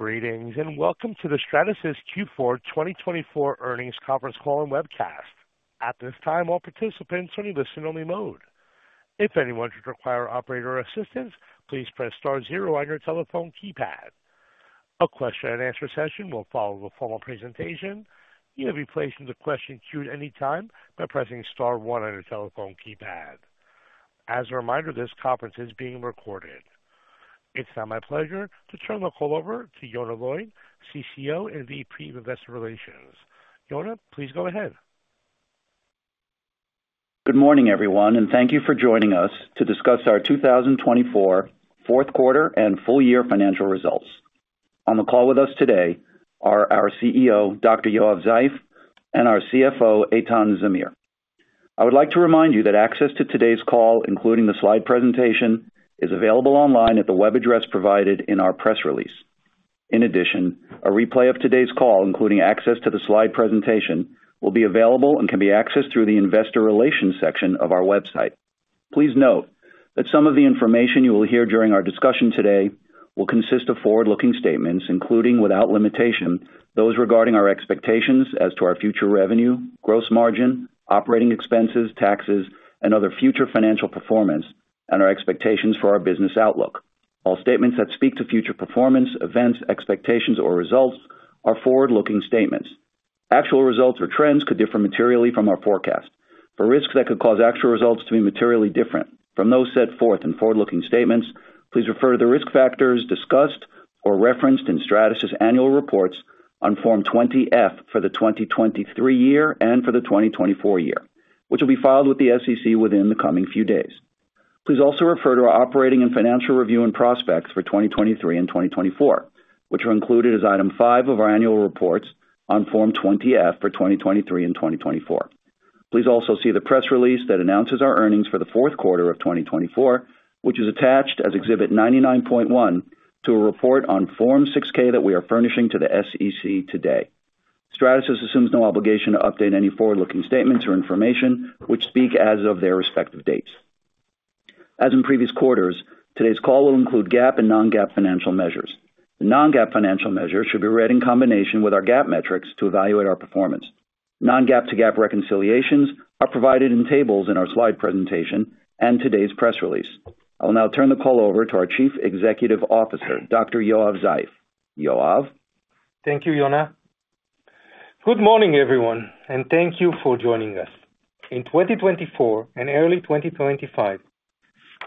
Greetings and welcome to the Stratasys Q4 2024 earnings conference call and webcast. At this time, all participants are in listen-only mode. If anyone should require operator assistance, please press star zero on your telephone keypad. A question-and-answer session will follow the formal presentation. You may be placed into question queue at any time by pressing star one on your telephone keypad. As a reminder, this conference is being recorded. It is now my pleasure to turn the call over to Yonah Lloyd, CCO and VP of Investor Relations. Yonah, please go ahead. Good morning, everyone, and thank you for joining us to discuss our 2024 fourth quarter and full year financial results. On the call with us today are our CEO, Dr. Yoav Zeif, and our CFO, Eitan Zamir. I would like to remind you that access to today's call, including the slide presentation, is available online at the web address provided in our press release. In addition, a replay of today's call, including access to the slide presentation, will be available and can be accessed through the investor relations section of our website. Please note that some of the information you will hear during our discussion today will consist of forward-looking statements, including without limitation, those regarding our expectations as to our future revenue, gross margin, operating expenses, taxes, and other future financial performance, and our expectations for our business outlook. All statements that speak to future performance, events, expectations, or results are forward-looking statements. Actual results or trends could differ materially from our forecast. For risks that could cause actual results to be materially different from those set forth in forward-looking statements, please refer to the risk factors discussed or referenced in Stratasys' annual reports on Form 20-F for the 2023 year and for the 2024 year, which will be filed with the SEC within the coming few days. Please also refer to our operating and financial review and prospects for 2023 and 2024, which are included as item five of our annual reports on Form 20-F for 2023 and 2024. Please also see the press release that announces our earnings for the fourth quarter of 2024, which is attached as Exhibit 99.1 to a report on Form 6-K that we are furnishing to the SEC today. Stratasys assumes no obligation to update any forward-looking statements or information which speak as of their respective dates. As in previous quarters, today's call will include GAAP and non-GAAP financial measures. The non-GAAP financial measures should be read in combination with our GAAP metrics to evaluate our performance. Non-GAAP to GAAP reconciliations are provided in tables in our slide presentation and today's press release. I will now turn the call over to our Chief Executive Officer, Dr. Yoav Zeif. Yoav. Thank you, Yonah. Good morning, everyone, and thank you for joining us. In 2024 and early 2025,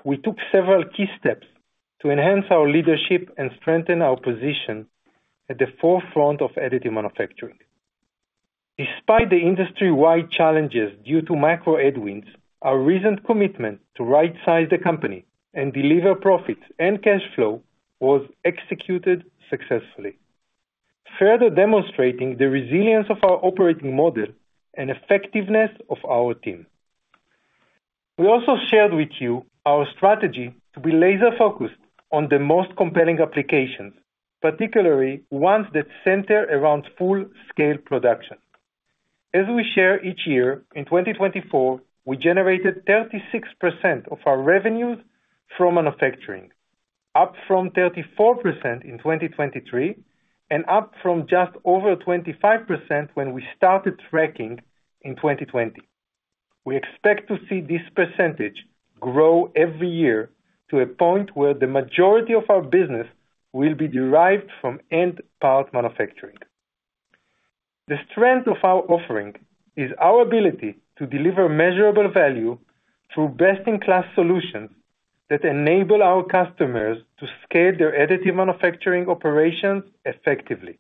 we took several key steps to enhance our leadership and strengthen our position at the forefront of additive manufacturing. Despite the industry-wide challenges due to macro headwinds, our recent commitment to right-size the company and deliver profits and cash flow was executed successfully, further demonstrating the resilience of our operating model and effectiveness of our team. We also shared with you our strategy to be laser-focused on the most compelling applications, particularly ones that center around full-scale production. As we share each year, in 2024, we generated 36% of our revenues from manufacturing, up from 34% in 2023 and up from just over 25% when we started tracking in 2020. We expect to see this percentage grow every year to a point where the majority of our business will be derived from end-part manufacturing. The strength of our offering is our ability to deliver measurable value through best-in-class solutions that enable our customers to scale their additive manufacturing operations effectively.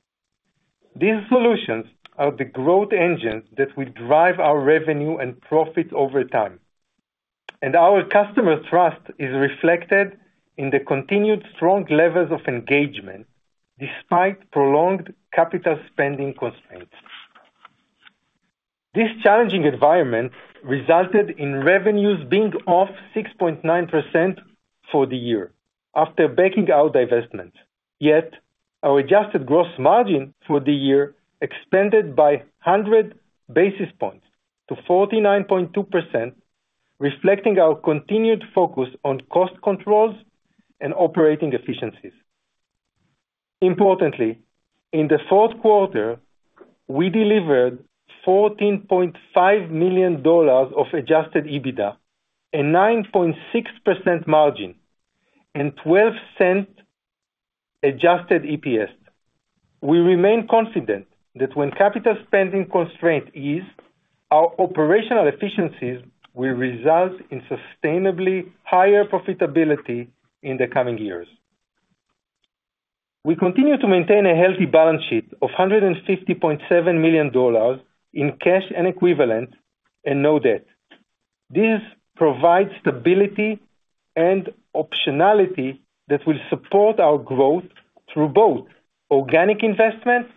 These solutions are the growth engines that will drive our revenue and profits over time, and our customer trust is reflected in the continued strong levels of engagement despite prolonged capital spending constraints. This challenging environment resulted in revenues being off 6.9% for the year after backing out divestments. Yet, our adjusted gross margin for the year expanded by 100 basis points to 49.2%, reflecting our continued focus on cost controls and operating efficiencies. Importantly, in the fourth quarter, we delivered $14.5 million of adjusted EBITDA, a 9.6% margin, and 12 cents adjusted EPS. We remain confident that when capital spending constraints ease, our operational efficiencies will result in sustainably higher profitability in the coming years. We continue to maintain a healthy balance sheet of $150.7 million in cash and equivalents and no debt. This provides stability and optionality that will support our growth through both organic investment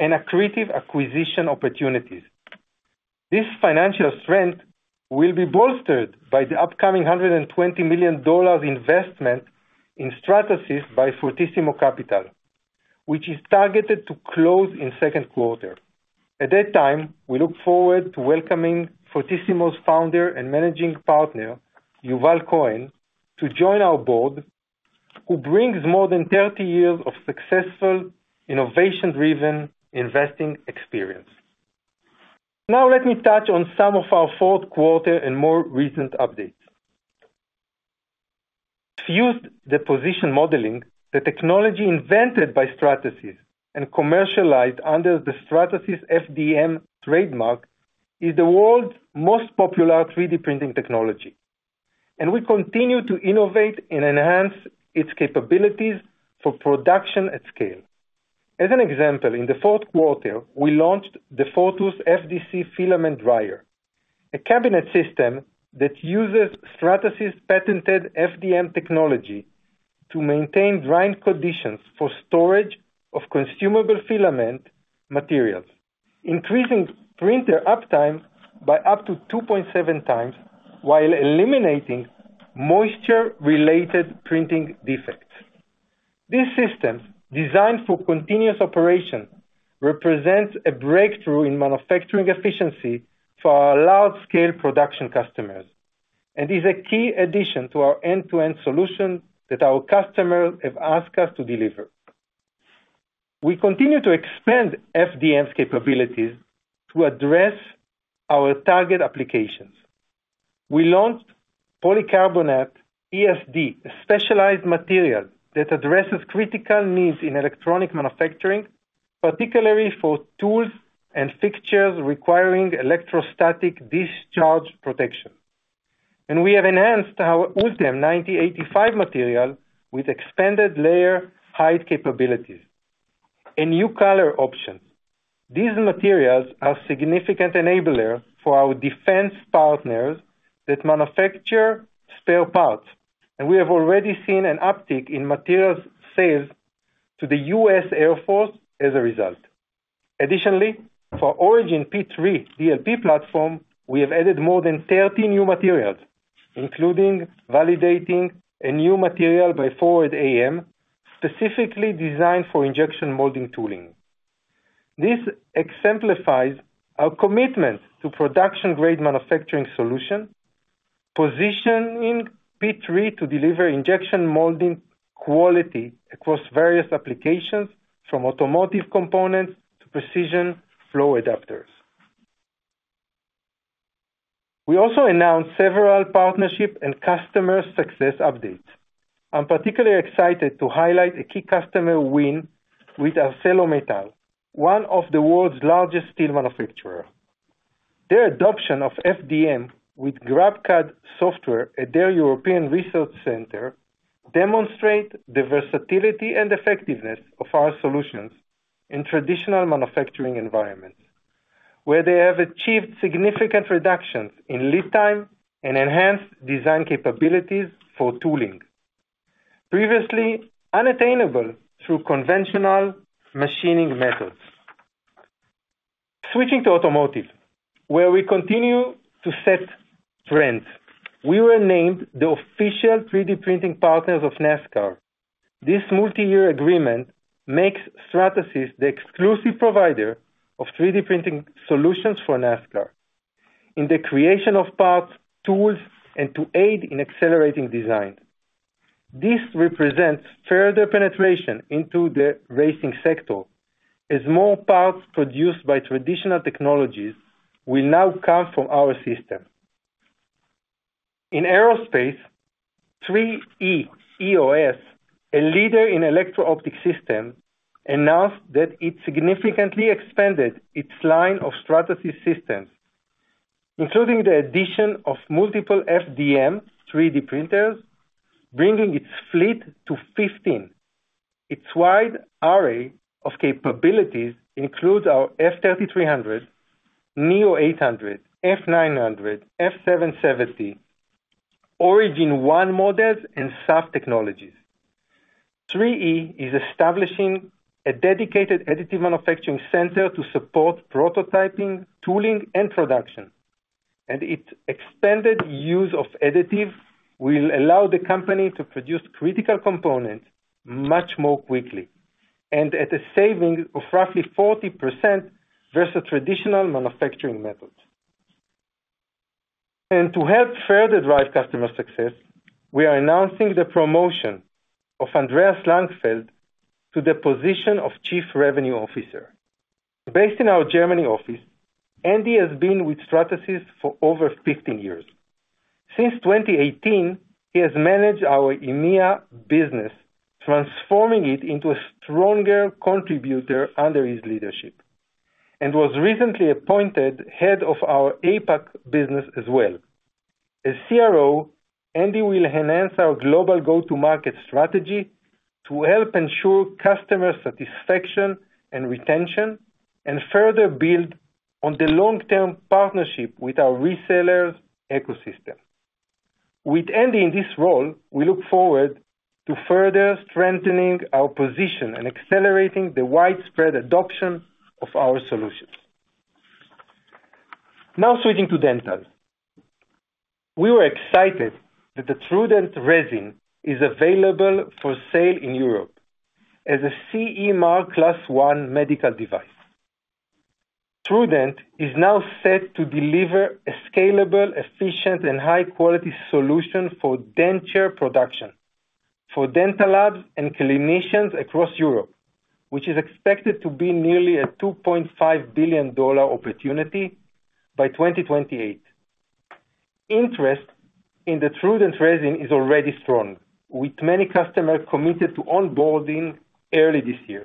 and accretive acquisition opportunities. This financial strength will be bolstered by the upcoming $120 million investment in Stratasys by Fortissimo Capital, which is targeted to close in the second quarter. At that time, we look forward to welcoming Fortissimo's founder and managing partner, Yuval Cohen, to join our board, who brings more than 30 years of successful, innovation-driven investing experience. Now, let me touch on some of our fourth quarter and more recent updates. Fused Deposition Modeling, the technology invented by Stratasys and commercialized under the Stratasys FDM trademark, is the world's most popular 3D printing technology, and we continue to innovate and enhance its capabilities for production at scale. As an example, in the fourth quarter, we launched the Fortus FDC filament dryer, a cabinet system that uses Stratasys' patented FDM technology to maintain drying conditions for storage of consumable filament materials, increasing printer uptime by up to 2.7 times while eliminating moisture-related printing defects. This system, designed for continuous operation, represents a breakthrough in manufacturing efficiency for our large-scale production customers and is a key addition to our end-to-end solution that our customers have asked us to deliver. We continue to expand FDM's capabilities to address our target applications. We launched Polycarbonate ESD, a specialized material that addresses critical needs in electronic manufacturing, particularly for tools and fixtures requiring electrostatic discharge protection. We have enhanced our Ultem 9085 material with expanded layer height capabilities and new color options. These materials are significant enablers for our defense partners that manufacture spare parts, and we have already seen an uptick in materials sales to the U.S. Air Force as a result. Additionally, for the Origin P3 DLP platform, we have added more than 30 new materials, including validating a new material by Forward AM specifically designed for injection molding tooling. This exemplifies our commitment to production-grade manufacturing solutions, positioning P3 to deliver injection molding quality across various applications, from automotive components to precision flow adapters. We also announced several partnership and customer success updates. I'm particularly excited to highlight a key customer win with ArcelorMittal, one of the world's largest steel manufacturers. Their adoption of FDM with GrabCAD software at their European Research Center demonstrates the versatility and effectiveness of our solutions in traditional manufacturing environments, where they have achieved significant reductions in lead time and enhanced design capabilities for tooling, previously unattainable through conventional machining methods. Switching to automotive, where we continue to set trends, we were named the official 3D printing partners of NASCAR. This multi-year agreement makes Stratasys the exclusive provider of 3D printing solutions for NASCAR in the creation of parts, tools, and to aid in accelerating design. This represents further penetration into the racing sector as more parts produced by traditional technologies will now come from our system. In aerospace, 3E EOS, a leader in electro-optic systems, announced that it significantly expanded its line of Stratasys systems, including the addition of multiple FDM 3D printers, bringing its fleet to 15. Its wide array of capabilities includes our F3300, Neo 800, F900, F770, Origin One models, and SAF technologies. 3E is establishing a dedicated additive manufacturing center to support prototyping, tooling, and production, and its extended use of additive will allow the company to produce critical components much more quickly and at a saving of roughly 40% versus traditional manufacturing methods. To help further drive customer success, we are announcing the promotion of Andreas Langfeld to the position of Chief Revenue Officer. Based in our Germany office, Andy has been with Stratasys for over 15 years. Since 2018, he has managed our EMEA business, transforming it into a stronger contributor under his leadership and was recently appointed head of our APAC business as well. As CRO, Andy will enhance our global go-to-market strategy to help ensure customer satisfaction and retention and further build on the long-term partnership with our resellers' ecosystem. With Andy in this role, we look forward to further strengthening our position and accelerating the widespread adoption of our solutions. Now, switching to dentals, we were excited that the TruDent resin is available for sale in Europe as a CE marked Class 1 medical device. TruDent is now set to deliver a scalable, efficient, and high-quality solution for denture production for dental labs and clinicians across Europe, which is expected to be nearly a $2.5 billion opportunity by 2028. Interest in the TruDent resin is already strong, with many customers committed to onboarding early this year.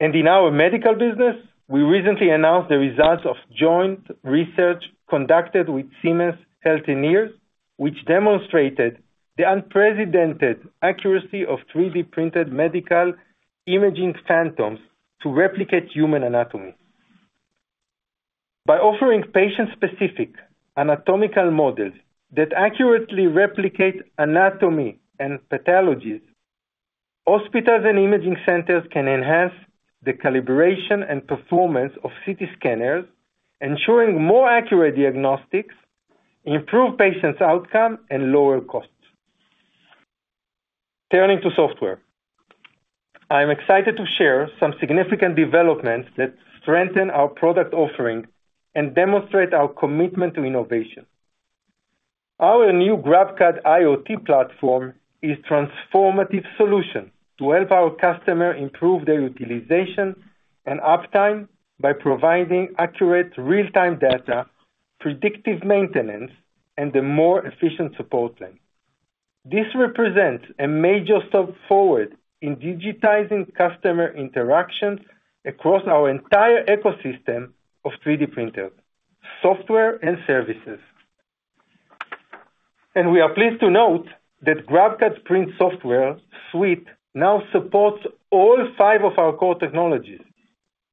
In our medical business, we recently announced the results of joint research conducted with Siemens Healthineers, which demonstrated the unprecedented accuracy of 3D printed medical imaging phantoms to replicate human anatomy. By offering patient-specific anatomical models that accurately replicate anatomy and pathologies, hospitals and imaging centers can enhance the calibration and performance of CT scanners, ensuring more accurate diagnostics, improved patient outcomes, and lower costs. Turning to software, I'm excited to share some significant developments that strengthen our product offering and demonstrate our commitment to innovation. Our new GrabCAD IoT platform is a transformative solution to help our customers improve their utilization and uptime by providing accurate real-time data, predictive maintenance, and a more efficient support line. This represents a major step forward in digitizing customer interactions across our entire ecosystem of 3D printers, software, and services. We are pleased to note that GrabCAD print software suite now supports all five of our core technologies.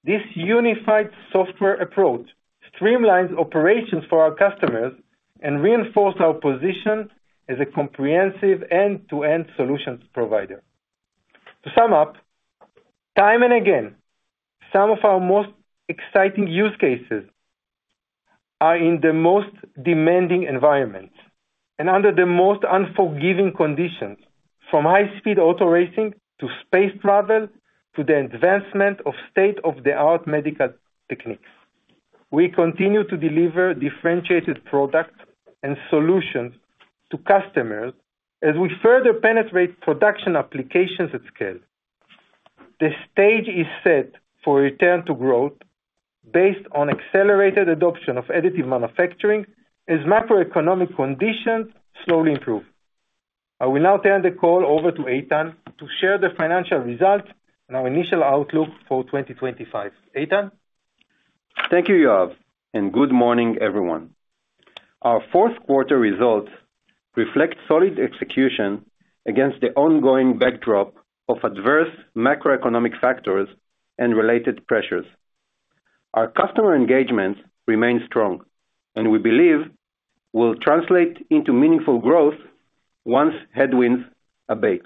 This unified software approach streamlines operations for our customers and reinforces our position as a comprehensive end-to-end solutions provider. To sum up, time and again, some of our most exciting use cases are in the most demanding environments and under the most unforgiving conditions, from high-speed auto racing to space travel to the advancement of state-of-the-art medical techniques. We continue to deliver differentiated products and solutions to customers as we further penetrate production applications at scale. The stage is set for return to growth based on accelerated adoption of additive manufacturing as macroeconomic conditions slowly improve. I will now turn the call over to Eitan to share the financial results and our initial outlook for 2025. Eitan? Thank you, Yoav, and good morning, everyone. Our fourth quarter results reflect solid execution against the ongoing backdrop of adverse macroeconomic factors and related pressures. Our customer engagement remains strong, and we believe it will translate into meaningful growth once headwinds abate.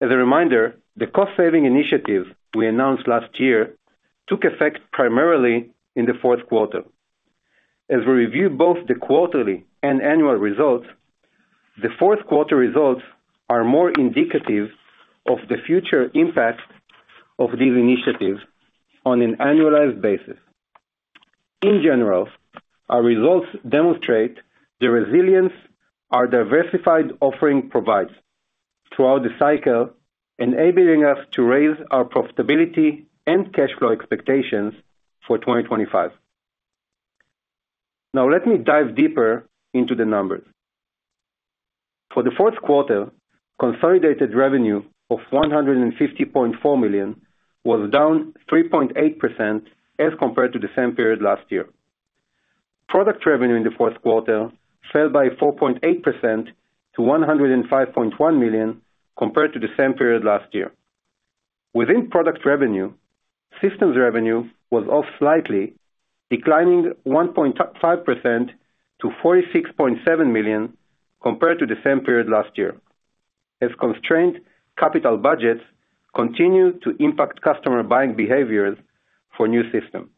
As a reminder, the cost-saving initiatives we announced last year took effect primarily in the fourth quarter. As we review both the quarterly and annual results, the fourth quarter results are more indicative of the future impact of these initiatives on an annualized basis. In general, our results demonstrate the resilience our diversified offering provides throughout the cycle, enabling us to raise our profitability and cash flow expectations for 2025. Now, let me dive deeper into the numbers. For the fourth quarter, consolidated revenue of $150.4 million was down 3.8% as compared to the same period last year. Product revenue in the fourth quarter fell by 4.8% to $105.1 million compared to the same period last year. Within product revenue, systems revenue was off slightly, declining 1.5% to $46.7 million compared to the same period last year, as constrained capital budgets continue to impact customer buying behaviors for new systems.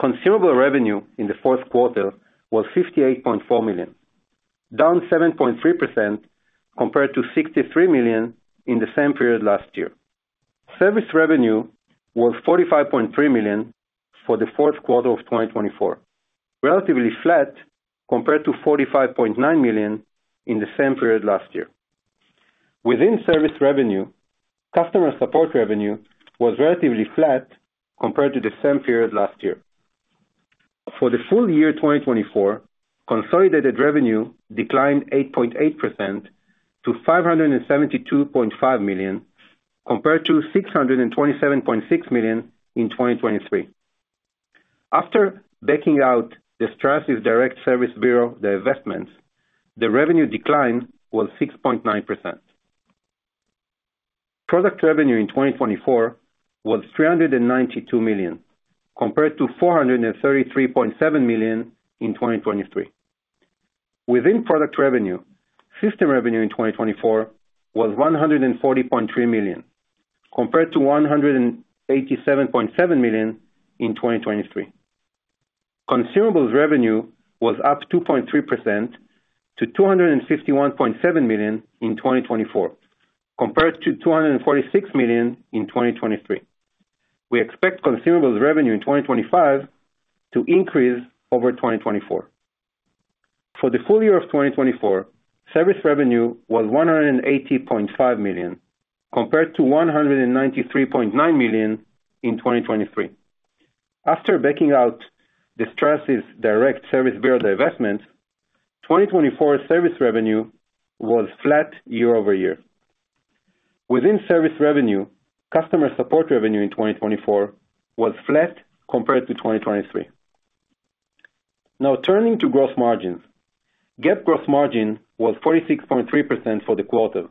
Consumable revenue in the fourth quarter was $58.4 million, down 7.3% compared to $63 million in the same period last year. Service revenue was $45.3 million for the fourth quarter of 2024, relatively flat compared to $45.9 million in the same period last year. Within service revenue, customer support revenue was relatively flat compared to the same period last year. For the full year 2024, consolidated revenue declined 8.8% to $572.5 million compared to $627.6 million in 2023. After backing out the Stratasys Direct Service Bureau investments, the revenue decline was 6.9%. Product revenue in 2024 was $392 million compared to $433.7 million in 2023. Within product revenue, system revenue in 2024 was $140.3 million compared to $187.7 million in 2023. Consumables revenue was up 2.3% to $251.7 million in 2024 compared to $246 million in 2023. We expect consumables revenue in 2025 to increase over 2024. For the full year of 2024, service revenue was $180.5 million compared to $193.9 million in 2023. After backing out the Stratasys Direct Service Bureau investments, 2024 service revenue was flat year-over-year. Within service revenue, customer support revenue in 2024 was flat compared to 2023. Now, turning to gross margins, GAAP gross margin was 46.3% for the quarter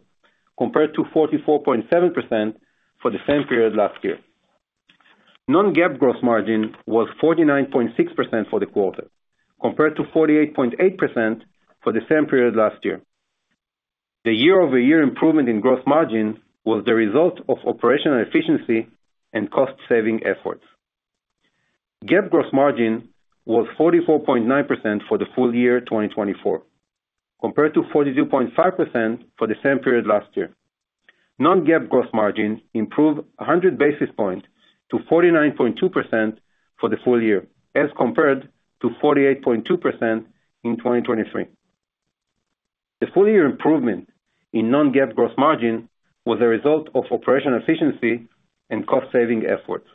compared to 44.7% for the same period last year. Non-GAAP gross margin was 49.6% for the quarter compared to 48.8% for the same period last year. The year-over-year improvement in gross margin was the result of operational efficiency and cost-saving efforts. GAAP gross margin was 44.9% for the full year 2024 compared to 42.5% for the same period last year. Non-GAAP gross margin improved 100 basis points to 49.2% for the full year as compared to 48.2% in 2023. The full-year improvement in non-GAAP gross margin was a result of operational efficiency and cost-saving efforts.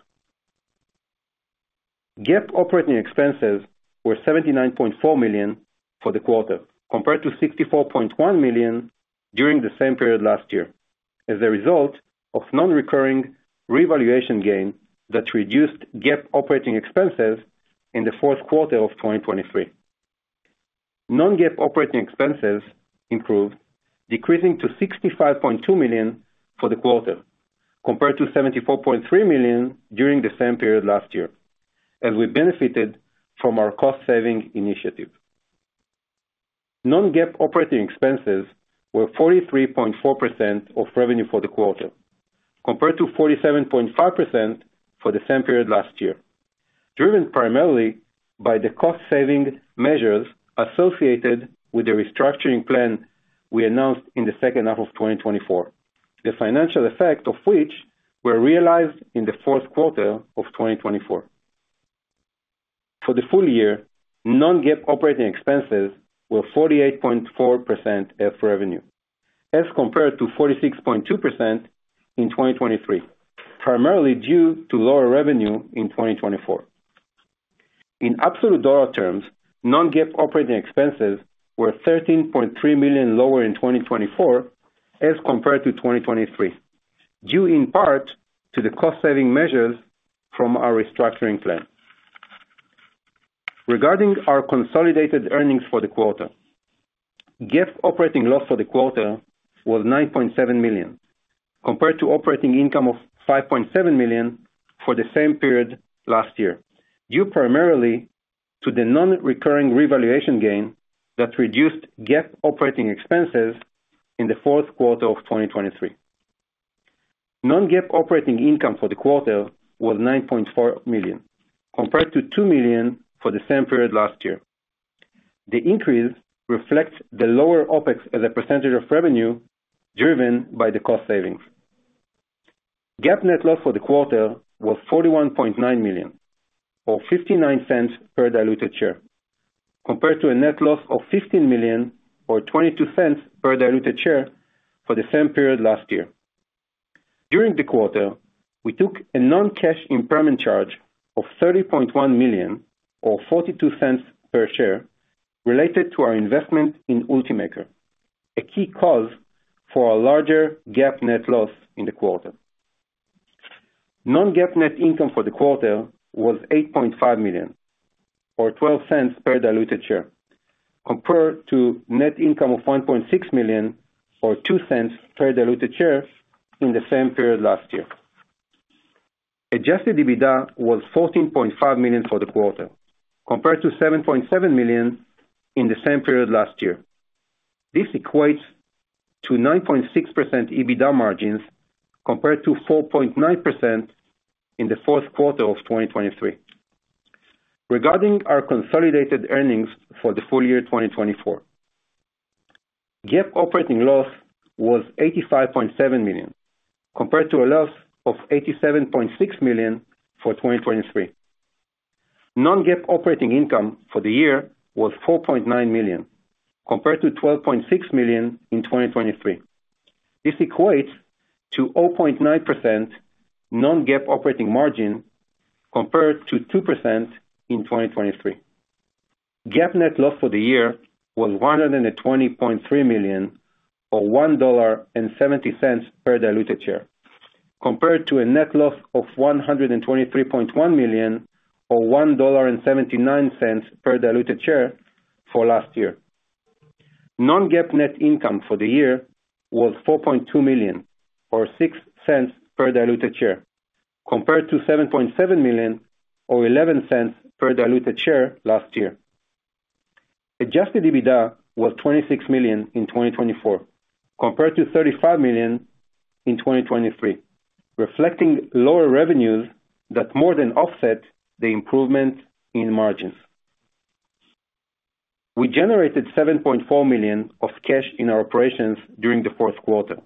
GAAP operating expenses were $79.4 million for the quarter compared to $64.1 million during the same period last year as a result of non-recurring revaluation gain that reduced GAAP operating expenses in the fourth quarter of 2023. Non-GAAP operating expenses improved, decreasing to $65.2 million for the quarter compared to $74.3 million during the same period last year, as we benefited from our cost-saving initiative. Non-GAAP operating expenses were 43.4% of revenue for the quarter compared to 47.5% for the same period last year, driven primarily by the cost-saving measures associated with the restructuring plan we announced in the second half of 2024, the financial effect of which was realized in the fourth quarter of 2024. For the full year, non-GAAP operating expenses were 48.4% of revenue as compared to 46.2% in 2023, primarily due to lower revenue in 2024. In absolute dollar terms, non-GAAP operating expenses were $13.3 million lower in 2024 as compared to 2023, due in part to the cost-saving measures from our restructuring plan. Regarding our consolidated earnings for the quarter, GAAP operating loss for the quarter was $9.7 million compared to operating income of $5.7 million for the same period last year, due primarily to the non-recurring revaluation gain that reduced GAAP operating expenses in the fourth quarter of 2023. Non-GAAP operating income for the quarter was $9.4 million compared to $2 million for the same period last year. The increase reflects the lower OpEx as a percentage of revenue driven by the cost savings. GAAP net loss for the quarter was $41.9 million or $0.59 per diluted share compared to a net loss of $15 million or $0.22 per diluted share for the same period last year. During the quarter, we took a non-cash impairment charge of $30.1 million or $0.42 per share related to our investment in UltiMaker, a key cause for a larger GAAP net loss in the quarter. Non-GAAP net income for the quarter was $8.5 million or $0.12 per diluted share compared to net income of $1.6 million or $0.02 per diluted share in the same period last year. Adjusted EBITDA was $14.5 million for the quarter compared to $7.7 million in the same period last year. This equates to 9.6% EBITDA margins compared to 4.9% in the fourth quarter of 2023. Regarding our consolidated earnings for the full year 2024, GAAP operating loss was $85.7 million compared to a loss of $87.6 million for 2023. Non-GAAP operating income for the year was $4.9 million compared to $12.6 million in 2023. This equates to 0.9% non-GAAP operating margin compared to 2% in 2023. GAAP net loss for the year was $120.3 million or $1.70 per diluted share compared to a net loss of $123.1 million or $1.79 per diluted share for last year. Non-GAAP net income for the year was $4.2 million or $0.06 per diluted share compared to $7.7 million or $0.11 per diluted share last year. Adjusted EBITDA was $26 million in 2024 compared to $35 million in 2023, reflecting lower revenues that more than offset the improvement in margins. We generated $7.4 million of cash in our operations during the fourth quarter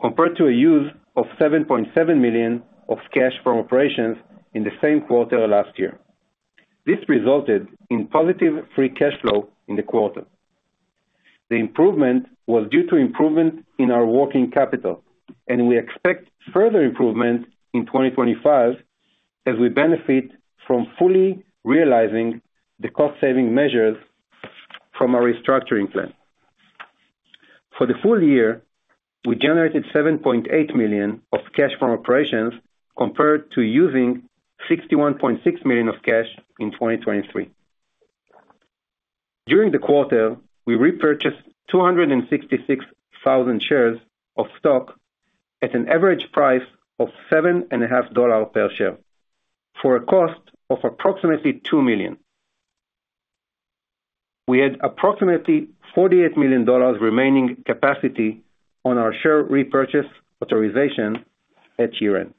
compared to a use of $7.7 million of cash from operations in the same quarter last year. This resulted in positive free cash flow in the quarter. The improvement was due to improvement in our working capital, and we expect further improvement in 2025 as we benefit from fully realizing the cost-saving measures from our restructuring plan. For the full year, we generated $7.8 million of cash from operations compared to using $61.6 million of cash in 2023. During the quarter, we repurchased 266,000 shares of stock at an average price of $7.5 per share for a cost of approximately $2 million. We had approximately $48 million remaining capacity on our share repurchase authorization at year-end.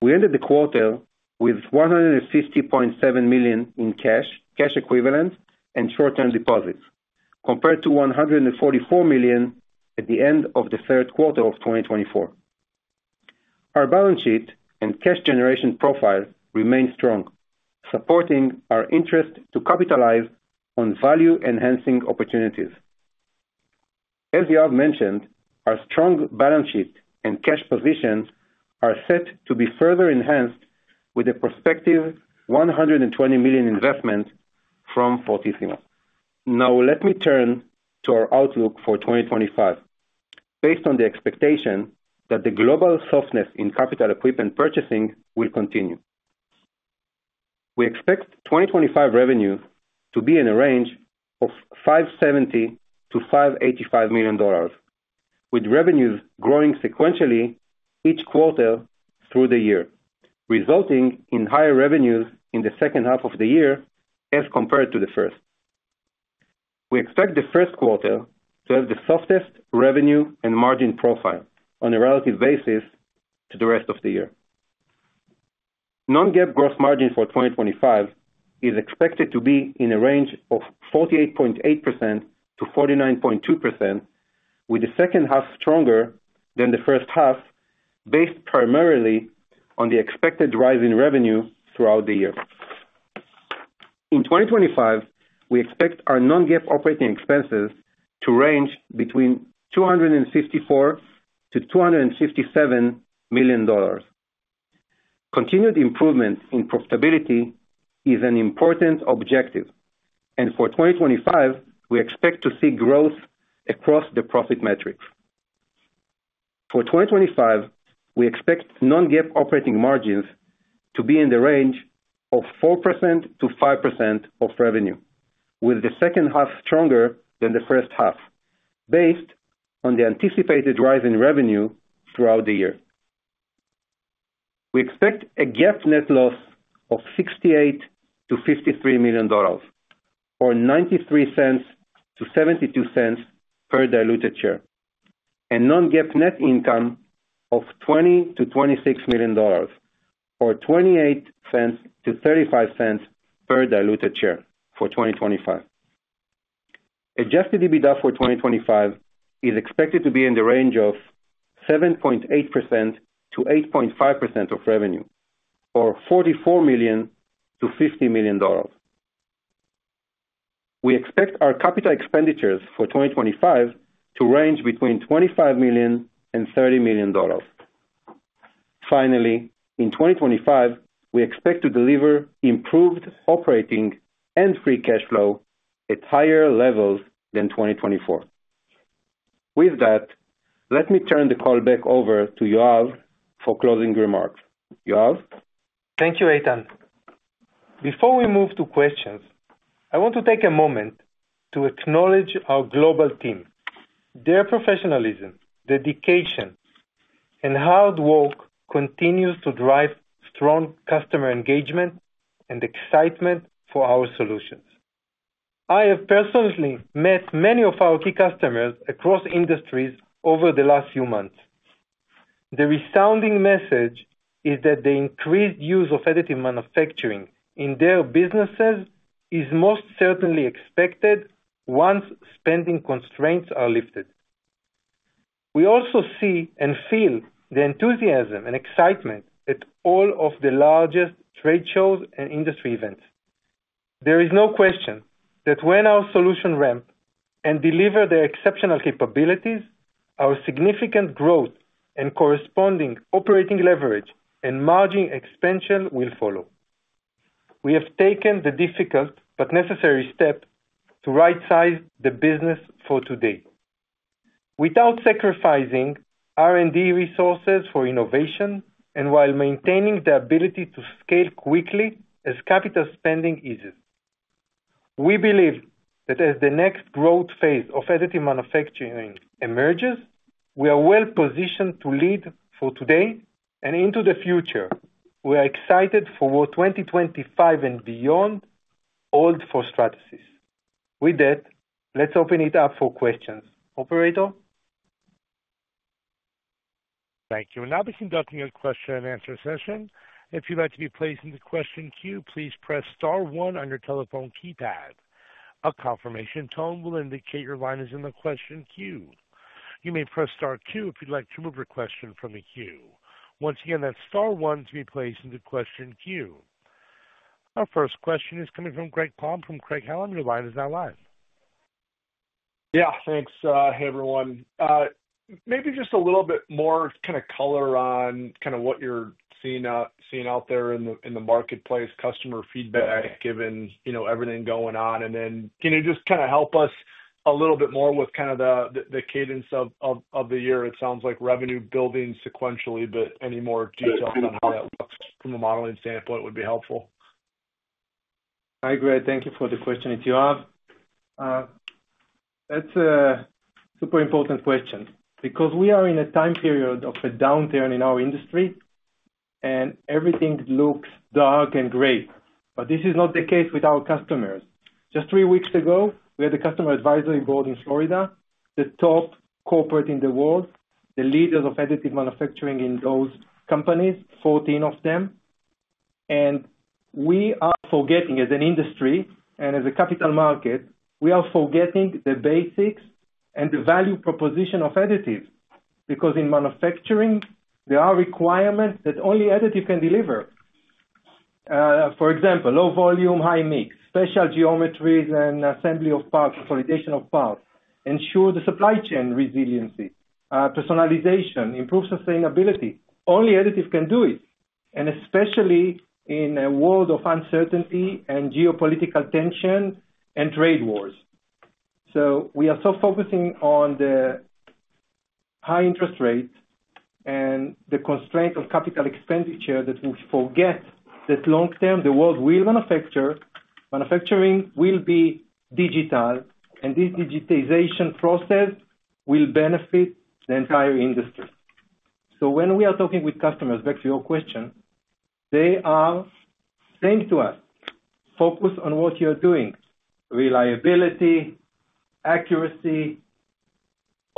We ended the quarter with $150.7 million in cash, cash equivalent, and short-term deposits compared to $144 million at the end of the third quarter of 2024. Our balance sheet and cash generation profile remain strong, supporting our interest to capitalize on value-enhancing opportunities. As Yoav mentioned, our strong balance sheet and cash position are set to be further enhanced with a prospective $120 million investment from Fortissimo. Now, let me turn to our outlook for 2025, based on the expectation that the global softness in capital equipment purchasing will continue. We expect 2025 revenues to be in a range of $570-$585 million, with revenues growing sequentially each quarter through the year, resulting in higher revenues in the second half of the year as compared to the first. We expect the first quarter to have the softest revenue and margin profile on a relative basis to the rest of the year. Non-GAAP gross margin for 2025 is expected to be in a range of 48.8%-49.2%, with the second half stronger than the first half, based primarily on the expected rise in revenue throughout the year. In 2025, we expect our non-GAAP operating expenses to range between $254-$257 million. Continued improvement in profitability is an important objective, and for 2025, we expect to see growth across the profit metrics. For 2025, we expect non-GAAP operating margins to be in the range of 4%-5% of revenue, with the second half stronger than the first half, based on the anticipated rise in revenue throughout the year. We expect a GAAP net loss of $68-$53 million or $0.93-$0.72 per diluted share, and non-GAAP net income of $20-$26 million or $0.28-$0.35 per diluted share for 2025. Adjusted EBITDA for 2025 is expected to be in the range of 7.8%-8.5% of revenue or $44 million-$50 million. We expect our capital expenditures for 2025 to range between $25 million and $30 million. Finally, in 2025, we expect to deliver improved operating and free cash flow at higher levels than 2024. With that, let me turn the call back over to Yoav for closing remarks. Yoav? Thank you, Eitan. Before we move to questions, I want to take a moment to acknowledge our global team. Their professionalism, dedication, and hard work continue to drive strong customer engagement and excitement for our solutions. I have personally met many of our key customers across industries over the last few months. The resounding message is that the increased use of additive manufacturing in their businesses is most certainly expected once spending constraints are lifted. We also see and feel the enthusiasm and excitement at all of the largest trade shows and industry events. There is no question that when our solutions ramp and deliver their exceptional capabilities, our significant growth and corresponding operating leverage and margin expansion will follow. We have taken the difficult but necessary step to right-size the business for today without sacrificing R&D resources for innovation and while maintaining the ability to scale quickly as capital spending eases. We believe that as the next growth phase of additive manufacturing emerges, we are well positioned to lead for today and into the future. We are excited for what 2025 and beyond holds for Stratasys. With that, let's open it up for questions, Operator. Thank you. Now, begin the question and answer session. If you'd like to be placed in the question queue, please press star one on your telephone keypad. A confirmation tone will indicate your line is in the question queue. You may press star two if you'd like to move your question from the queue. Once again, that's star one to be placed in the question queue. Our first question is coming from Greg Palm from Craig-Hallum. Your line is now live. Yeah, thanks. Hey, everyone. Maybe just a little bit more kind of color on kind of what you're seeing out there in the marketplace, customer feedback given everything going on. Can you just kind of help us a little bit more with kind of the cadence of the year? It sounds like revenue building sequentially, but any more details on how that looks from a modeling standpoint would be helpful. Hi, Greg. Thank you for the question, Yoav. That's a super important question because we are in a time period of a downturn in our industry, and everything looks dark and great. This is not the case with our customers. Just three weeks ago, we had the Customer Advisory Board in Florida, the top corporate in the world, the leaders of additive manufacturing in those companies, 14 of them. We are forgetting, as an industry and as a capital market, we are forgetting the basics and the value proposition of additives because in manufacturing, there are requirements that only additive can deliver. For example, low volume, high mix, special geometries and assembly of parts, consolidation of parts, ensure the supply chain resiliency, personalization, improve sustainability. Only additive can do it, and especially in a world of uncertainty and geopolitical tension and trade wars. We are so focusing on the high interest rates and the constraint of capital expenditure that we forget that long-term the world will manufacture. Manufacturing will be digital, and this digitization process will benefit the entire industry. When we are talking with customers, back to your question, they are saying to us, "Focus on what you're doing: reliability, accuracy,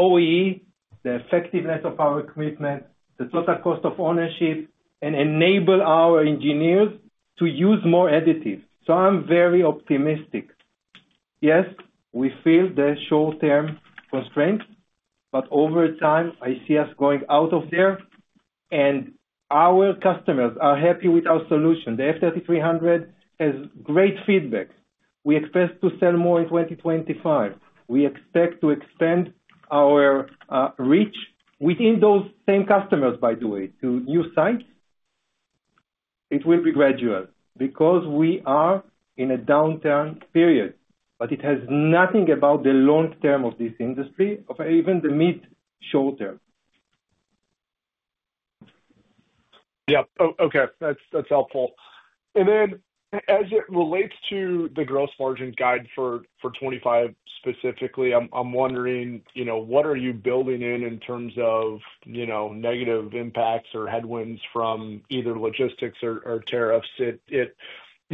OEE, the effectiveness of our equipment, the total cost of ownership, and enable our engineers to use more additives." I'm very optimistic. Yes, we feel the short-term constraints, but over time, I see us going out of there, and our customers are happy with our solution. The F3300 has great feedback. We expect to sell more in 2025. We expect to expand our reach within those same customers, by the way, to new sites. It will be gradual because we are in a downturn period, but it has nothing about the long-term of this industry, or even the mid-short-term. Yeah. Okay. That's helpful. Then as it relates to the gross margin guide for 2025 specifically, I'm wondering, what are you building in in terms of negative impacts or headwinds from either logistics or tariffs?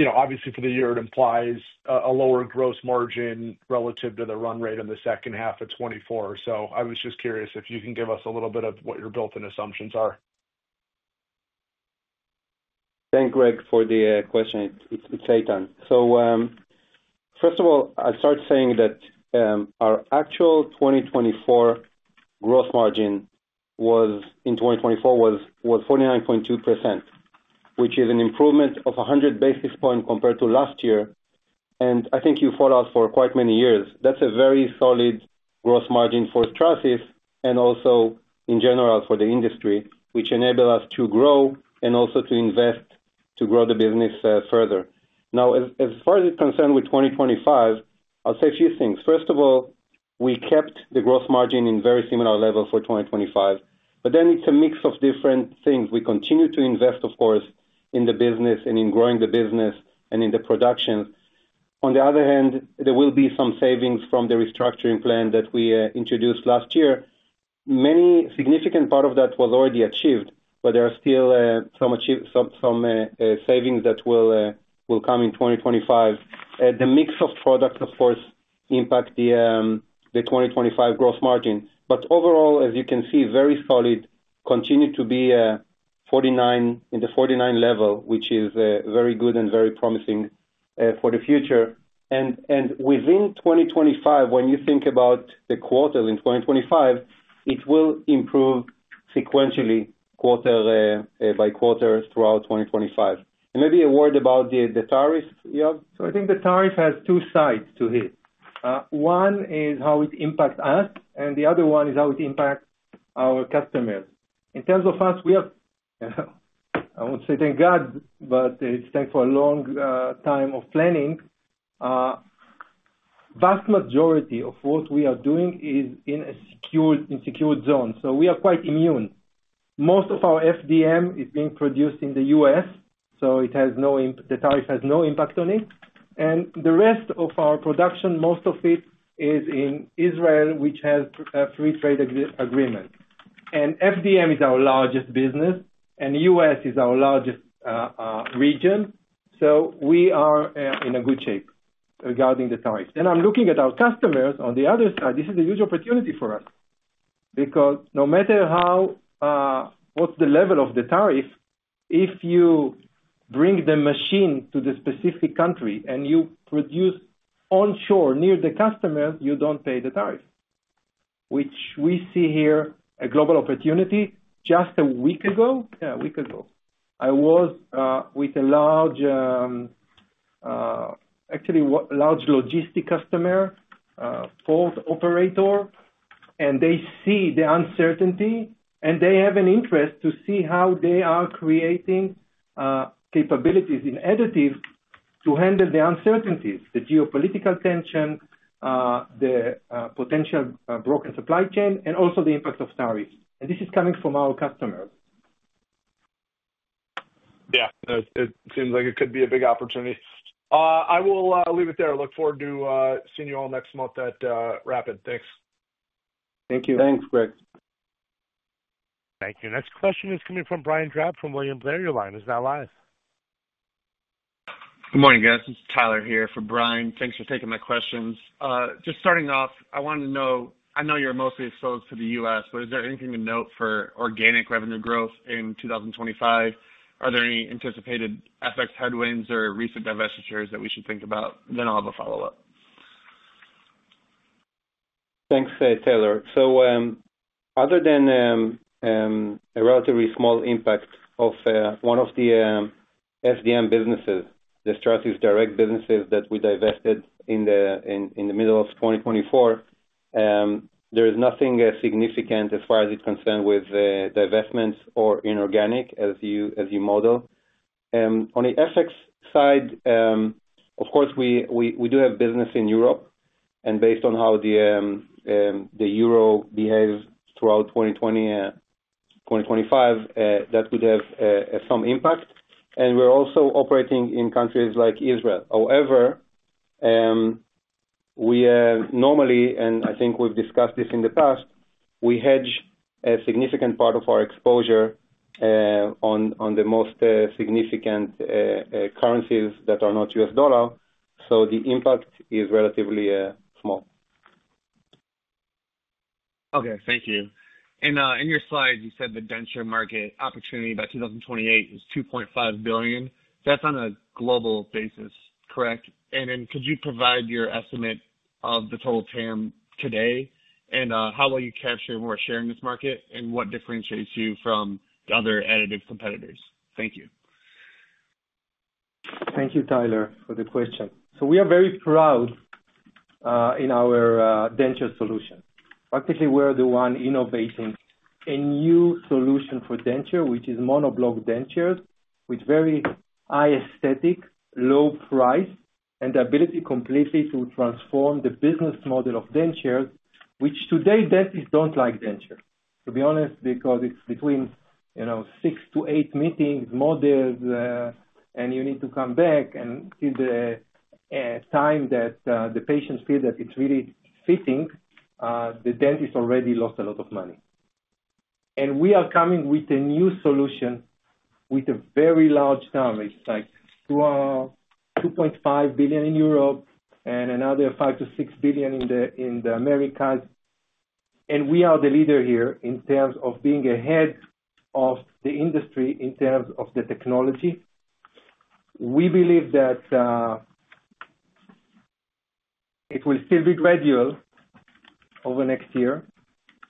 Obviously, for the year, it implies a lower gross margin relative to the run rate in the second half of 2024. I was just curious if you can give us a little bit of what your built-in assumptions are. Thank Greg for the question. It's Eitan. First of all, I'll start saying that our actual 2024 gross margin in 2024 was 49.2%, which is an improvement of 100 basis points compared to last year. I think you follow us for quite many years. That's a very solid gross margin for Stratasys and also in general for the industry, which enabled us to grow and also to invest to grow the business further. Now, as far as it concerns with 2025, I'll say a few things. First of all, we kept the gross margin in very similar levels for 2025, but then it's a mix of different things. We continue to invest, of course, in the business and in growing the business and in the productions. On the other hand, there will be some savings from the restructuring plan that we introduced last year. Many significant parts of that were already achieved, but there are still some savings that will come in 2025. The mix of products, of course, impacts the 2025 gross margin. Overall, as you can see, very solid, continue to be in the 49 level, which is very good and very promising for the future. Within 2025, when you think about the quarter in 2025, it will improve sequentially quarter-by-quarter throughout 2025. Maybe a word about the tariffs, Yoav? I think the tariff has two sides to hit. One is how it impacts us, and the other one is how it impacts our customers. In terms of us, we have—I will not say thank God, but it is thanks for a long time of planning. The vast majority of what we are doing is in a secured zone. We are quite immune. Most of our FDM is being produced in the U.S., so the tariff has no impact on it. The rest of our production, most of it is in Israel, which has a free trade agreement. FDM is our largest business, and the U.S. is our largest region. We are in good shape regarding the tariffs. I'm looking at our customers on the other side. This is a huge opportunity for us because no matter what's the level of the tariff, if you bring the machine to the specific country and you produce onshore near the customer, you don't pay the tariff, which we see here as a global opportunity. Just a week ago—yeah, a week ago—I was with a large, actually large logistics customer, Ford operator, and they see the uncertainty, and they have an interest to see how they are creating capabilities in additives to handle the uncertainties, the geopolitical tension, the potential broken supply chain, and also the impact of tariffs. This is coming from our customers. Yeah. It seems like it could be a big opportunity. I will leave it there. I look forward to seeing you all next month at RAPID. Thanks. Thank you. Thanks, Greg. Thank you. Next question is coming from Brian Drab from William Blair. Your line is now live. Good morning, guys. This is Tyler here for Brian. Thanks for taking my questions. Just starting off, I wanted to know, I know you're mostly exposed to the U.S., but is there anything to note for organic revenue growth in 2025? Are there any anticipated FX headwinds or recent divestitures that we should think about? I'll have a follow-up. Thanks, Tyler. Other than a relatively small impact of one of the FDM businesses, the Stratasys Direct businesses that we divested in the middle of 2024, there is nothing significant as far as it concerns with divestments or inorganic as you model. On the FX side, of course, we do have business in Europe, and based on how the euro behaves throughout 2025, that could have some impact. We are also operating in countries like Israel. However, we normally, and I think we've discussed this in the past, hedge a significant part of our exposure on the most significant currencies that are not US dollar. The impact is relatively small. Okay. Thank you. In your slides, you said the denture market opportunity by 2028 is $2.5 billion. That's on a global basis, correct? Could you provide your estimate of the total TAM today? How will you capture more share in this market, and what differentiates you from the other additive competitors? Thank you. Thank you, Tyler, for the question. We are very proud in our denture solution. Practically, we're the one innovating a new solution for dentures, which is monoblock dentures with very high aesthetic, low price, and the ability completely to transform the business model of dentures, which today dentists don't like dentures. To be honest, because it's between six to eight meetings, models, and you need to come back, and till the time that the patients feel that it's really fitting, the dentist already lost a lot of money. We are coming with a new solution with a very large summary, like $2.5 billion in Europe and another $5-$6 billion in the Americas. We are the leader here in terms of being ahead of the industry in terms of the technology. We believe that it will still be gradual over the next year,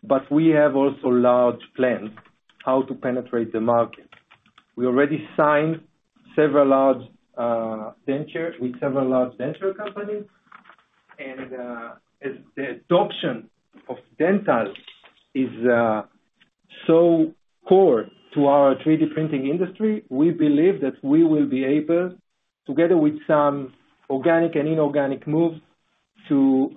but we have also large plans how to penetrate the market. We already signed several large dentures with several large denture companies. As the adoption of dentals is so core to our 3D printing industry, we believe that we will be able, together with some organic and inorganic moves, to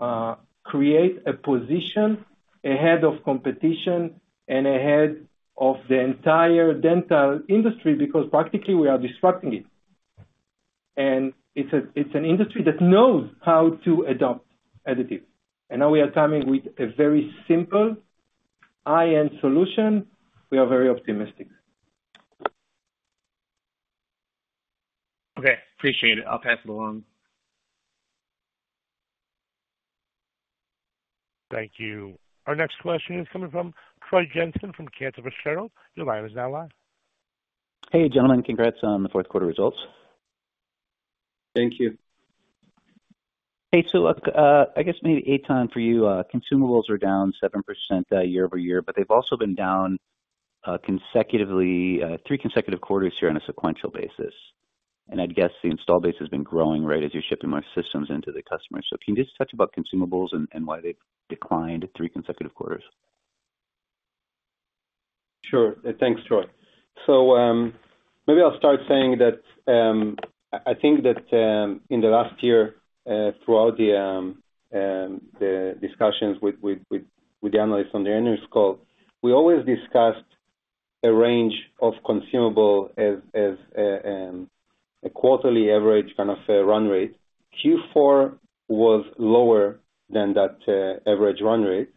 create a position ahead of competition and ahead of the entire dental industry because practically we are disrupting it. It is an industry that knows how to adopt additives. Now we are coming with a very simple high-end solution. We are very optimistic. Okay. Appreciate it. I'll pass it along. Thank you. Our next question is coming from Troy Jensen from Cantor Fitzgerald. Your line is now live. Hey, gentlemen. Congrats on the fourth quarter results. Thank you. Hey, to look. I guess maybe Eitan for you. Consumables are down 7% year-over-year, but they've also been down three consecutive quarters here on a sequential basis. I'd guess the install base has been growing right as you're shipping more systems into the customers. Can you just touch about consumables and why they've declined three consecutive quarters? Sure. Thanks, Troy. Maybe I'll start saying that I think that in the last year, throughout the discussions with the analysts on the annual scale, we always discussed a range of consumables as a quarterly average kind of run rate. Q4 was lower than that average run rate,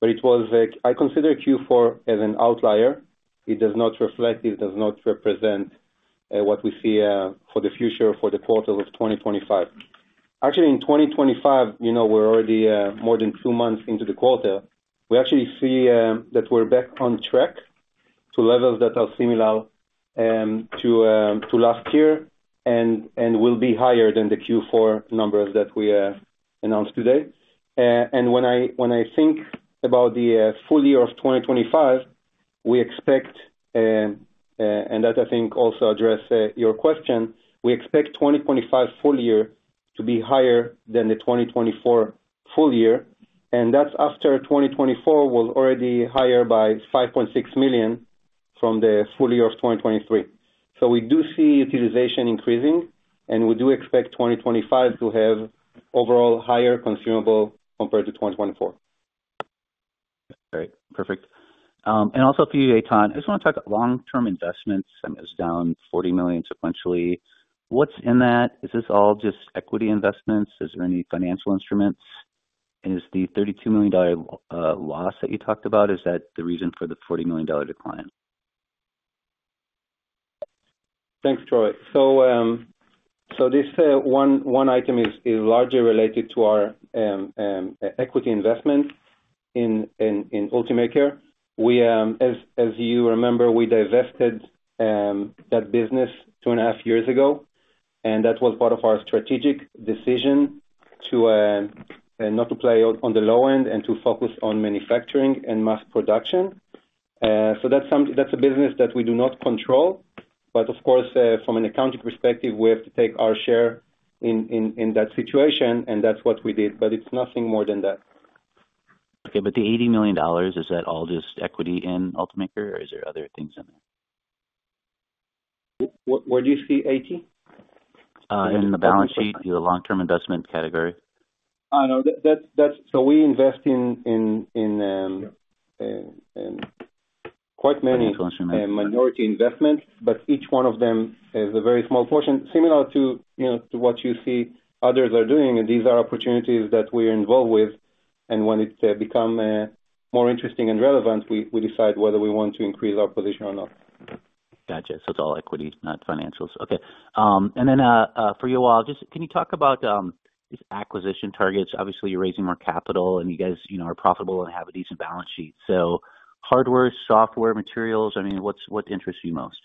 but I consider Q4 as an outlier. It does not reflect, it does not represent what we see for the future for the quarter of 2025. Actually, in 2025, we're already more than two months into the quarter. We actually see that we're back on track to levels that are similar to last year and will be higher than the Q4 numbers that we announced today. When I think about the full year of 2025, we expect—and that, I think, also addresses your question—we expect 2025 full year to be higher than the 2024 full year. That's after 2024 was already higher by $5.6 million from the full year of 2023. We do see utilization increasing, and we do expect 2025 to have overall higher consumables compared to 2024. Great. Perfect. Also for you, Eitan, I just want to talk about long-term investments. It's down $40 million sequentially. What's in that? Is this all just equity investments? Is there any financial instruments? And is the $32 million loss that you talked about, is that the reason for the $40 million decline? Thanks, Troy. This one item is largely related to our equity investment in UltiMaker. As you remember, we divested that business two and a half years ago, and that was part of our strategic decision to not play on the low end and to focus on manufacturing and mass production. That's a business that we do not control. Of course, from an accounting perspective, we have to take our share in that situation, and that's what we did. It's nothing more than that. Okay. The $80 million, is that all just equity in UltiMaker, or is there other things in there? Where do you see $80 million? In the balance sheet, the long-term investment category. We invest in quite many minority investments, but each one of them is a very small portion, similar to what you see others are doing. These are opportunities that we are involved with. When it becomes more interesting and relevant, we decide whether we want to increase our position or not. Gotcha. It is all equity, not financials. For you all, can you talk about these acquisition targets? Obviously, you're raising more capital, and you guys are profitable and have a decent balance sheet. Hardware, software, materials, I mean, what interests you most?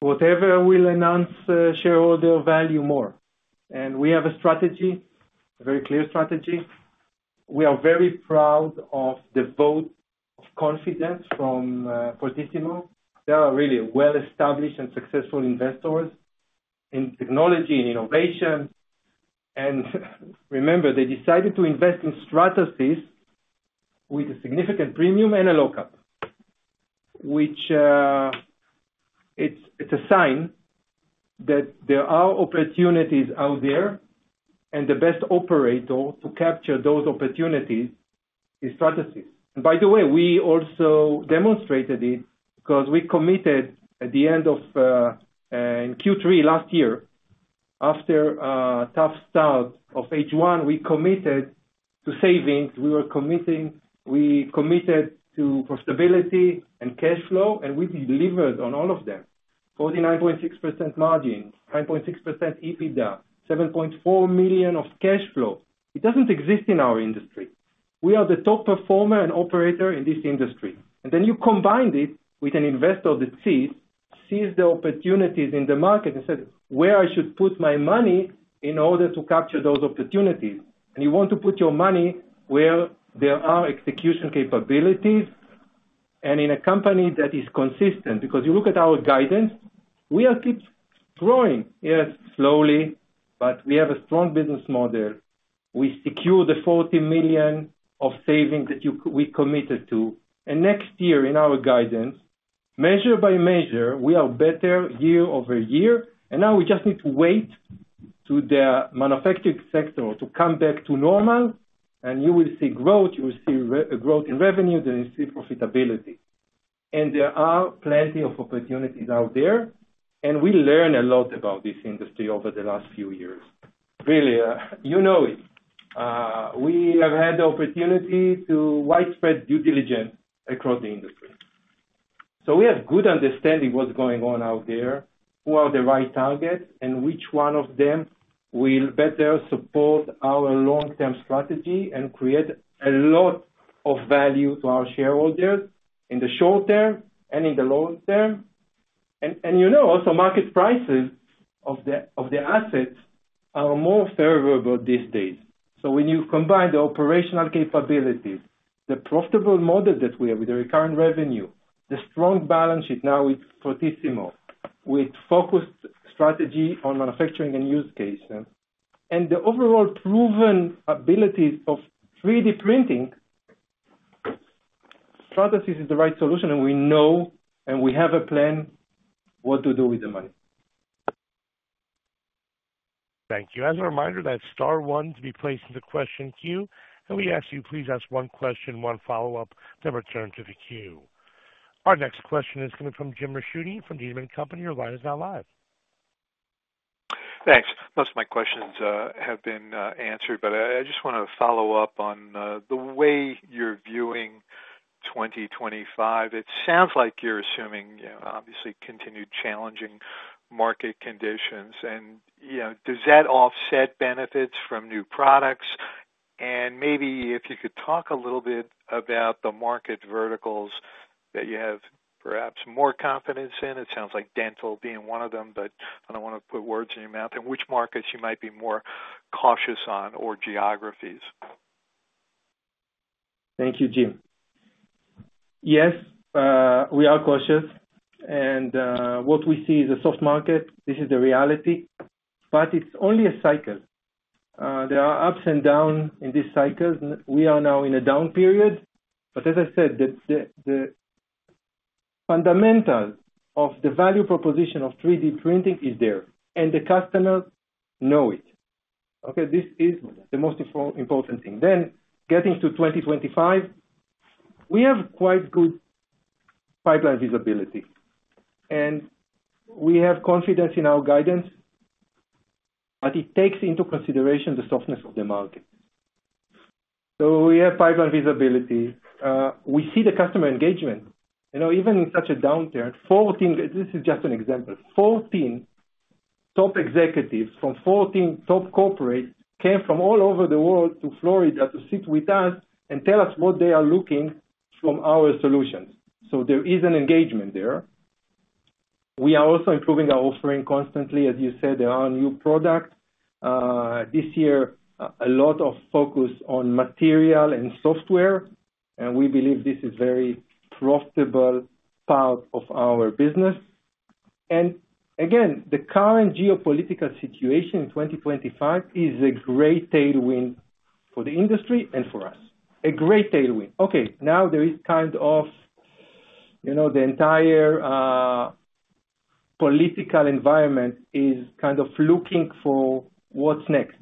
Whatever will enhance shareholder value more. We have a strategy, a very clear strategy. We are very proud of the vote of confidence from Fortissimo. They are really well-established and successful investors in technology and innovation. Remember, they decided to invest in Stratasys with a significant premium and a lock-up, which is a sign that there are opportunities out there, and the best operator to capture those opportunities is Stratasys. By the way, we also demonstrated it because we committed at the end of Q3 last year, after a tough start of H1, we committed to savings. We committed to profitability and cash flow, and we delivered on all of them: 49.6% margin, 9.6% EBITDA, $7.4 million of cash flow. It does not exist in our industry. We are the top performer and operator in this industry. You combine it with an investor that sees the opportunities in the market and says, "Where should I put my money in order to capture those opportunities?" You want to put your money where there are execution capabilities and in a company that is consistent. You look at our guidance, we are keeping growing. Yes, slowly, but we have a strong business model. We secured the $40 million of savings that we committed to. Next year, in our guidance, measure-by-measure, we are better year-over-year. We just need to wait for the manufacturing sector to come back to normal, and you will see growth. You will see growth in revenue, then you see profitability. There are plenty of opportunities out there, and we learned a lot about this industry over the last few years. Really, you know it. We have had the opportunity to widespread due diligence across the industry. We have a good understanding of what's going on out there, who are the right targets, and which one of them will better support our long-term strategy and create a lot of value to our shareholders in the short term and in the long term. You know, also market prices of the assets are more favorable these days. When you combine the operational capabilities, the profitable model that we have with the recurrent revenue, the strong balance sheet now with Fortissimo, with a focused strategy on manufacturing and use cases, and the overall proven abilities of 3D printing, Stratasys is the right solution. We know, and we have a plan what to do with the money. Thank you. As a reminder, that's star one to be placed in the question queue. We ask you, please ask one question, one follow-up, then return to the queue. Our next question is coming from Jim Ricchiuti from Needham & Company. Your line is now live. Thanks. Most of my questions have been answered, but I just want to follow up on the way you're viewing 2025. It sounds like you're assuming, obviously, continued challenging market conditions. Does that offset benefits from new products? Maybe if you could talk a little bit about the market verticals that you have perhaps more confidence in. It sounds like dental being one of them, but I don't want to put words in your mouth. Which markets you might be more cautious on or geographies? Thank you, Jim. Yes, we are cautious. What we see is a soft market. This is the reality. It is only a cycle. There are ups and downs in these cycles. We are now in a down period. As I said, the fundamentals of the value proposition of 3D printing are there, and the customers know it. This is the most important thing. Getting to 2025, we have quite good pipeline visibility, and we have confidence in our guidance, but it takes into consideration the softness of the market. We have pipeline visibility. We see the customer engagement. Even in such a downturn, this is just an example. Fourteen top executives from 14 top corporates came from all over the world to Florida to sit with us and tell us what they are looking for from our solutions. There is an engagement there. We are also improving our offering constantly. As you said, there are new products. This year, a lot of focus on material and software, and we believe this is a very profitable part of our business. Again, the current geopolitical situation in 2025 is a great tailwind for the industry and for us. A great tailwind. Now there is kind of the entire political environment is kind of looking for what's next.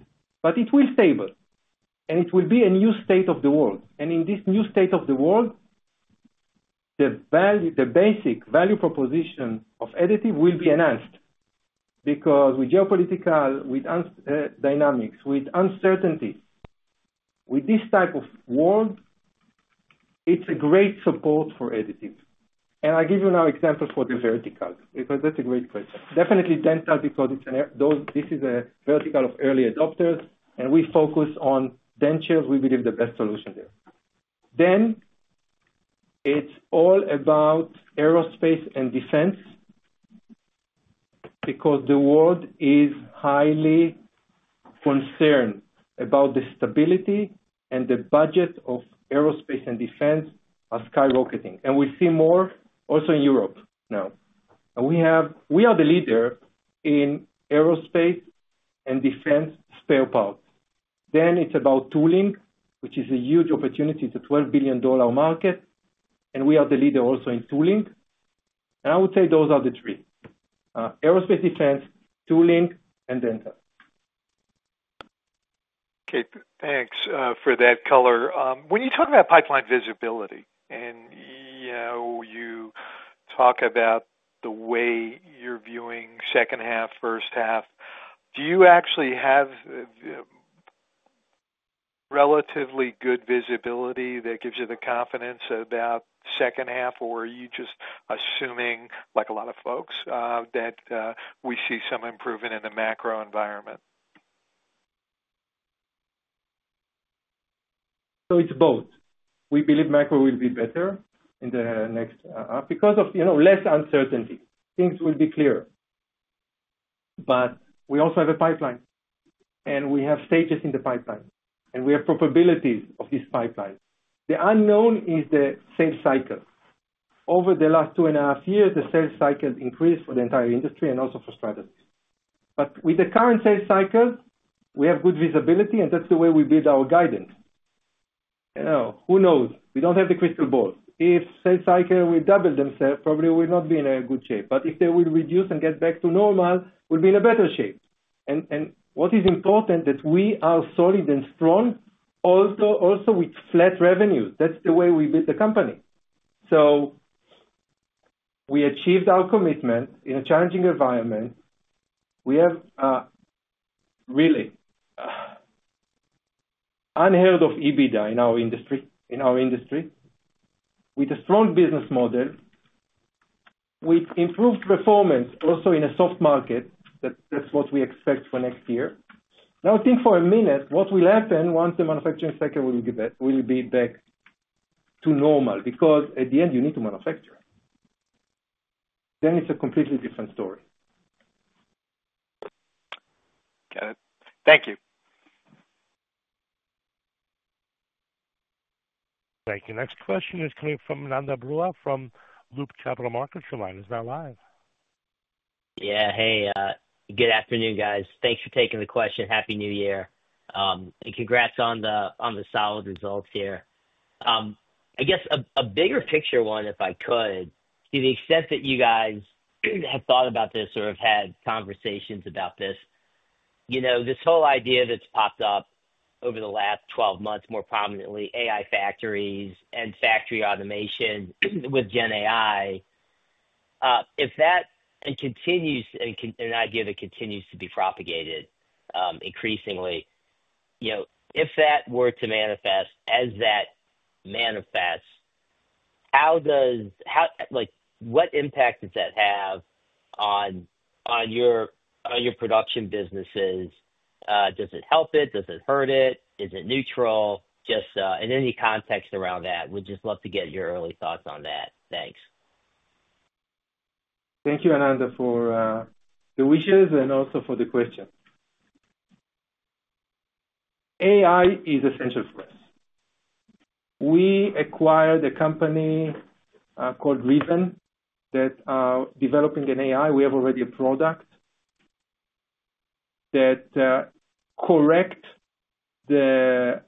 It will stable, and it will be a new state of the world. In this new state of the world, the basic value proposition of additive will be enhanced because with geopolitical, with dynamics, with uncertainty, with this type of world, it's a great support for additives. I'll give you now an example for the vertical because that's a great question. Definitely dental because this is a vertical of early adopters, and we focus on dentures. We believe the best solution there. It is all about aerospace and defense because the world is highly concerned about the stability, and the budget of aerospace and defense are skyrocketing. We see more also in Europe now. We are the leader in aerospace and defense spare parts. It is about tooling, which is a huge opportunity. It is a $12 billion market, and we are the leader also in tooling. I would say those are the three: aerospace, defense, tooling, and dental. Okay. Thanks for that color. When you talk about pipeline visibility and you talk about the way you are viewing 2nd half, 1st half, do you actually have relatively good visibility that gives you the confidence about 2nd half, or are you just assuming like a lot of folks that we see some improvement in the macro environment? It is both. We believe macro will be better in the next half because of less uncertainty. Things will be clearer. We also have a pipeline, and we have stages in the pipeline, and we have probabilities of this pipeline. The unknown is the sales cycle. Over the last two and a half years, the sales cycle increased for the entire industry and also for Stratasys. With the current sales cycle, we have good visibility, and that's the way we build our guidance. Who knows? We don't have the crystal ball. If sales cycle will double themselves, probably we're not being in a good shape. If they will reduce and get back to normal, we'll be in a better shape. What is important is that we are solid and strong also with flat revenues. That's the way we build the company. We achieved our commitment in a challenging environment. We have really unheard of EBITDA in our industry, with a strong business model, with improved performance also in a soft market. That is what we expect for next year. Now think for a minute what will happen once the manufacturing cycle will be back to normal because at the end, you need to manufacture. It is a completely different story. Got it. Thank you. Thank you. Next question is coming from Ananda Baruah from Loop Capital Markets. Your line is now live. Yeah. Hey. Good afternoon, guys. Thanks for taking the question. Happy New Year. Congrats on the solid results here. I guess a bigger picture one, if I could, to the extent that you guys have thought about this or have had conversations about this, this whole idea that's popped up over the last 12 months, more prominently, AI factories and factory automation with GenAI, if that continues and an idea that continues to be propagated increasingly, if that were to manifest as that manifests, what impact does that have on your production businesses? Does it help it? Does it hurt it? Is it neutral? Just in any context around that, we'd just love to get your early thoughts on that. Thanks. Thank you, Ananda, for the wishes and also for the question. AI is essential for us. We acquired a company called Riven that is developing an AI. We have already a product that corrects the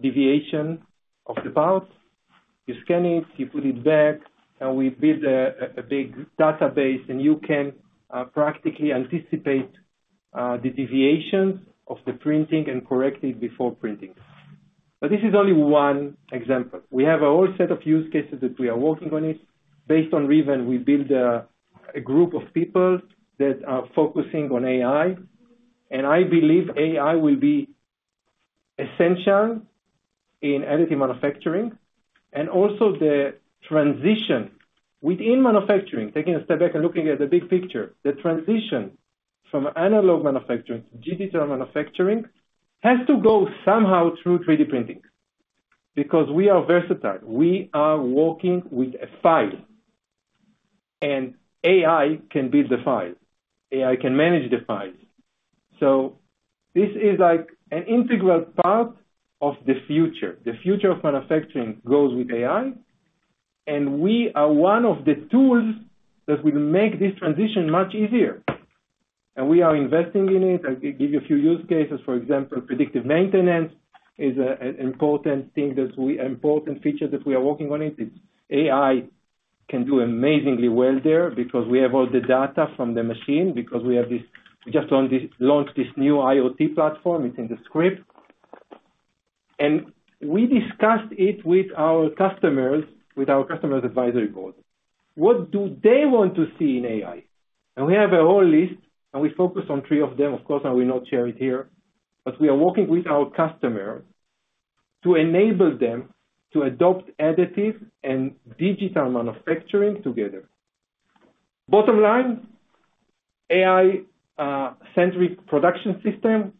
deviation of the parts. You scan it, you put it back, and we build a big database, and you can practically anticipate the deviations of the printing and correct it before printing. This is only one example. We have a whole set of use cases that we are working on. Based on Riven, we built a group of people that are focusing on AI. I believe AI will be essential in additive manufacturing. Also, the transition within manufacturing, taking a step back and looking at the big picture, the transition from analog manufacturing to digital manufacturing has to go somehow through 3D printing because we are versatile. We are working with a file, and AI can build the file. AI can manage the files. This is like an integral part of the future. The future of manufacturing goes with AI, and we are one of the tools that will make this transition much easier. We are investing in it. I'll give you a few use cases. For example, predictive maintenance is an important thing that we are working on. AI can do amazingly well there because we have all the data from the machine, because we just launched this new IoT platform. It's in the script. We discussed it with our customers, with our customers' advisory board. What do they want to see in AI? We have a whole list, and we focus on three of them, of course, and we'll not share it here. We are working with our customers to enable them to adopt additive and digital manufacturing together. Bottom line, AI-centric production system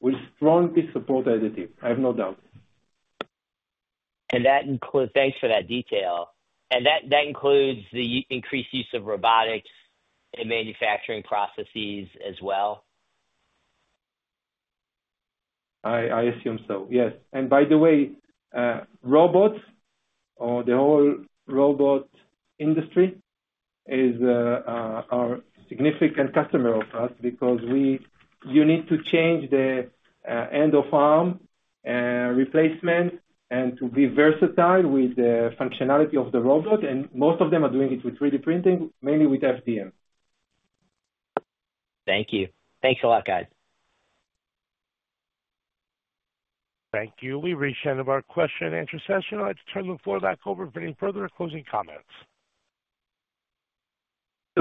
will strongly support additive. I have no doubt. Thanks for that detail. That includes the increased use of robotics in manufacturing processes as well? I assume so. Yes. By the way, robots or the whole robot industry are significant customers of us because you need to change the end-of-arm replacement and to be versatile with the functionality of the robot. Most of them are doing it with 3D printing, mainly with FDM. Thank you. Thanks a lot, guys. Thank you. We have reached the end of our question-and-answer session. I would like to turn the floor back over for any further closing comments.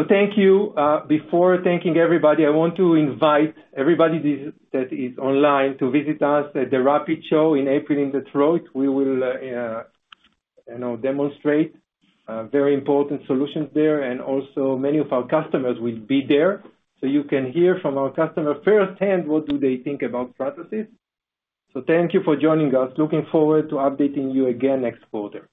Thank you. Before thanking everybody, I want to invite everybody that is online to visit us at the Rapid Show in April in Detroit. We will demonstrate very important solutions there, and also many of our customers will be there. You can hear from our customers firsthand what they think about Stratasys. Thank you for joining us. Looking forward to updating you again next quarter.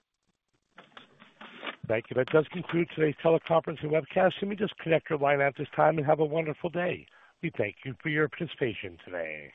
Thank you. That does conclude today's teleconference and webcast. Let me just connect your line at this time and have a wonderful day. We thank you for your participation today.